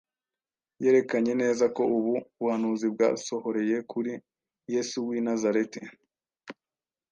Yerekanye neza ko ubu buhanuzi bwasohoreye kuri Yesu w’i Nazareti.